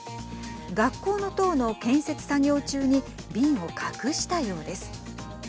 学校の塔の建設作業中に瓶を隠したようです。